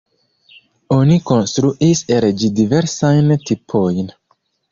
Oni konstruis el ĝi diversajn tipojn.